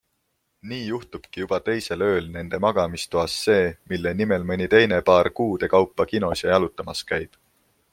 Nii juhtubki juba teisel ööl nende magamistoas see, mille nimel mõni teine paar kuude kaupa kinos ja jalutamas käib.